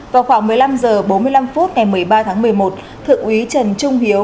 vào khoảng một mươi năm h bốn mươi năm phút ngày một mươi ba tháng một mươi một thượng úy trần trung hiếu